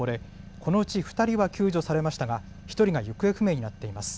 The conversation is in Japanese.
このうち２人は救助されましたが１人が行方不明になっています。